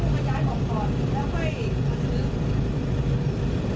ก็คือ